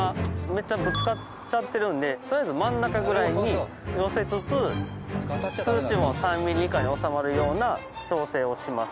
めっちゃぶつかっちゃってるんでとりあえず真ん中ぐらいに寄せつつ数値も３ミリ以下に収まるような調整をします。